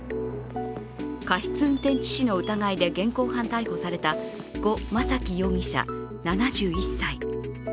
過失運転致死の疑いで現行犯逮捕された呉昌樹容疑者、７１歳。